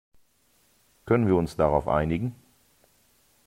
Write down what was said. Können wir uns darauf einigen?